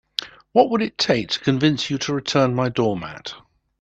What would it take to convince you to return my doormat?